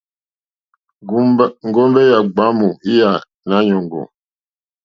Ŋgombe yà gbàamù lyà Nàanyòŋgò.